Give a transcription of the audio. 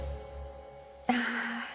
ああ。